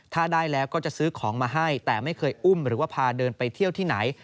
ถ้าได้แล้วก็จะซื้อของมาให้แต่ไม่เคยอุ้มหรือว่าพาเดินไปเที่ยวที่ไหน